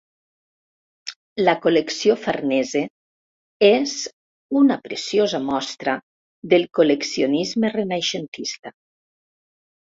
La col·lecció Farnese és una preciosa mostra del col·leccionisme renaixentista.